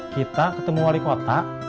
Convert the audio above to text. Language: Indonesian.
kita ketemu wali kota